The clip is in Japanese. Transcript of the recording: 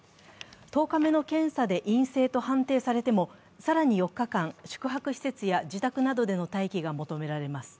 １０日目の検査で陰性と判定されても、更に４日間宿泊施設や自宅での待機が求められます。